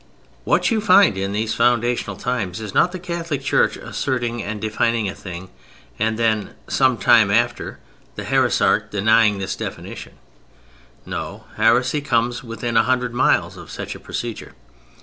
What you find in these foundational times is not the Catholic Church asserting and defining a thing and then, some time after, the heresiarch denying this definition; no heresy comes within a hundred miles of such a procedure.